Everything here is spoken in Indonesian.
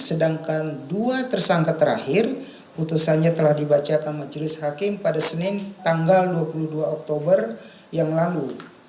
sedangkan dua tersangka terakhir putusannya telah dibacakan majelis hakim pada senin tanggal dua puluh dua oktober yang lalu